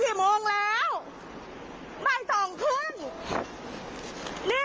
อย่ามาแตะต้องตัวหนู